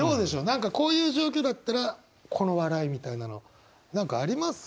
何かこういう状況だったらこの「笑い」みたいなの何かあります？